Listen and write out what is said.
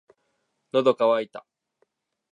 喉乾いた